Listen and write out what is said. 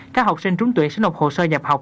các học sinh trúng tuyển sẽ nộp hồ sơ nhập học